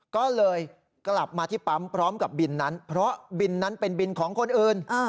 ก็เลยกลับมาที่ปั๊มพร้อมกับบินนั้นเพราะบินนั้นเป็นบินของคนอื่น